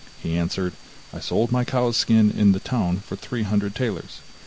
He answered: 'I sold my cow's skin in the town, for three hundred talers.